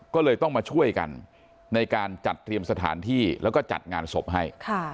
ก็เลยต้องมาช่วยกันในการจัดเตรียมสถานที่แล้วก็จัดงานศพให้